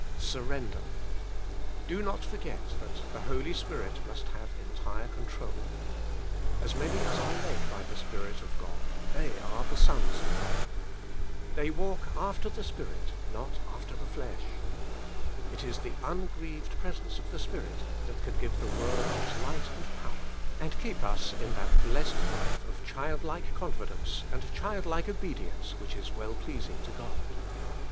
Surrender. Do not forget that the Holy Spirit must have entire control. " As many as are Led by THE Spirit of God they are the sons of God. They Walk after the Spirit, not after the flesh.^^ It is the ungrieved presence of the Spirit that can give the Word its light and power, and keep us in that blessed life of child like confidence and child like obedience which is well pleasing to God.